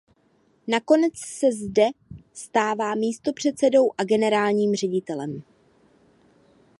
Nakonec se zde stává místopředsedou a generálním ředitelem.